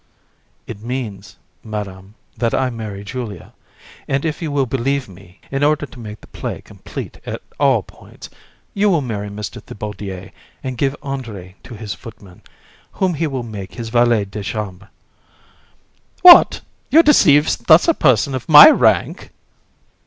VISC. It means, Madam, that I marry Julia; and if you will believe me, in order to make the play complete at all points, you will marry Mr. Thibaudier, and give Andrée to his footman, whom he will make his valet de chambre. COUN. What! you deceive thus a person of my rank!